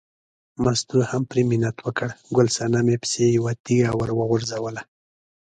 مستو هم پرې منت وکړ، ګل صنمې پسې یوه تیږه ور وغورځوله.